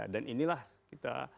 dan inilah kita